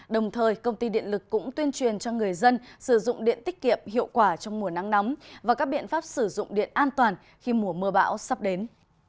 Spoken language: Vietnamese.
đồng thời công ty điện lực cũng tuyên truyền cho người dân sử dụng điện tích kiệm hiệu quả trong mùa nắng nóng và các biện pháp sử dụng điện an toàn khi mùa mưa bão sắp đến